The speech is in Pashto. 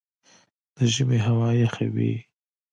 د ژمي هوا یخه وي